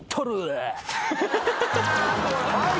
はい。